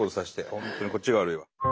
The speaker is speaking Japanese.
本当にこっちが悪いわ。